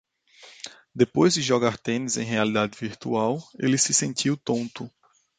Depois de jogar tênis em realidade virtual, ele se sentiu tonto.